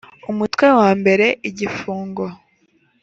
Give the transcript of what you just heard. umutwe wa mbere igifungo